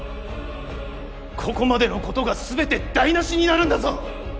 ここまでのことが全て台なしになるんだぞ！